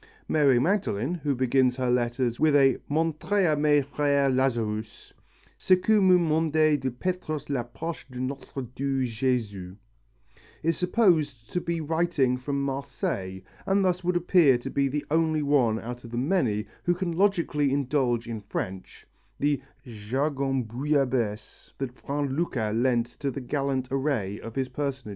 Mary Magdalen, who begins her letter with a mon très aimé frère Lazarus, ce que me mandez de Petrus l'apostre de notre doux Jesus, is supposed to be writing from Marseilles and thus would appear to be the only one out of the many who can logically indulge in French, the jargon bouillabaisse that Vrain Lucas lent to the gallant array of his personages.